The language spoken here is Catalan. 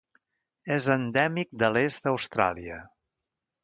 És endèmic de l'est d'Austràlia.